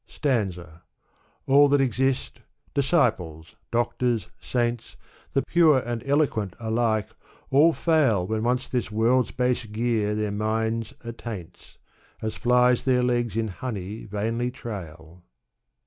Stanza, '^ All that exist — disciples, doctors, saints, The pure and eloquent alike, all fail When once this world's base gear their minds attaints. As flies their legs in honey vainly trail."